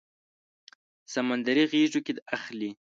سمندر غیږو کې اخلي